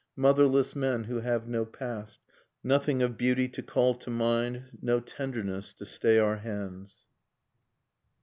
Motherless men who have no past, Nothing of beauty to call to mind No tenderness to stay our hands.